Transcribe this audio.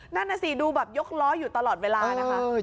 นั่นน่ะสิดูแบบยกล้ออยู่ตลอดเวลานะคะ